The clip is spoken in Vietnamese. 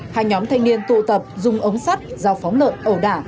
hai nhóm thanh niên tụ tập dùng ống sắt dao phóng lợn ẩu đả